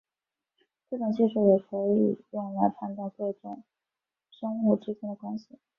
这种技术也可以用来判断各个种的生物之间的关系。